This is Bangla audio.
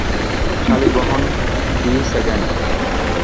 Shalivahana the second?